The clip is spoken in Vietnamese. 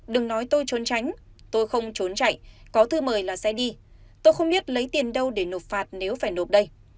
đừng nói tôi trốn tránh tôi không trốn chạy có thư mời là xe đi tôi không biết lấy tiền đâu để nộp phạt nếu phải nộp đây